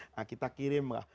nah kita kirimlah